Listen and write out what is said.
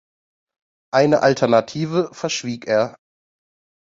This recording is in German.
Eine Alternative verschwieg er.